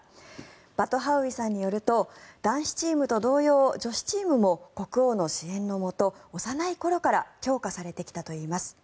バトハウイさんによると男子チームと同様女子チームも国王の支援のもと幼い頃から強化されてきたといいます。